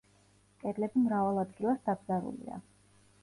კედლები მრავალ ადგილას დაბზარულია.